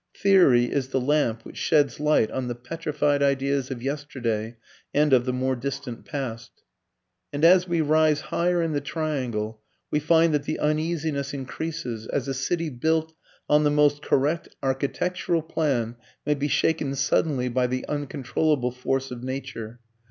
Theory is the lamp which sheds light on the petrified ideas of yesterday and of the more distant past. [Footnote: Cf. Chapter VII.] And as we rise higher in the triangle we find that the uneasiness increases, as a city built on the most correct architectural plan may be shaken suddenly by the uncontrollable force of nature.